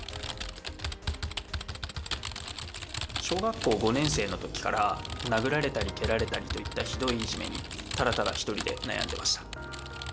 小学校５年生の時から殴られたり蹴られたりといったひどいいじめにただただ一人で悩んでました。